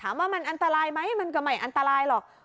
ว่ามันอันตรายไหมมันก็ไม่อันตรายหรอก